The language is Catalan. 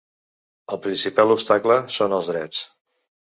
El principal obstacle són els drets.